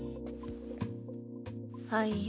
はいよ。